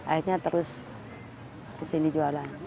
akhirnya terus ke sini jualan